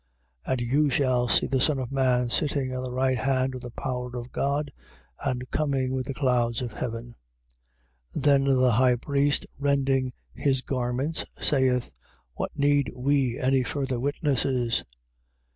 And you shall see the Son of man sitting on the right hand of the power of God and coming with the clouds of heaven. 14:63. Then the high priest rending his garments, saith: What need we any further witnesses?